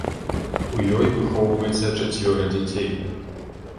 У ёй выхоўваецца чацвёра дзяцей.